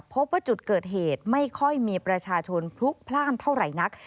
พบว่าจุดเกิดเหตุไม่ค่อยมีประชาชนพลุกพลาดเท่าไหร่นัก